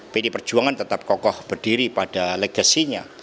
pdi perjuangan tetap kokoh berdiri pada legasinya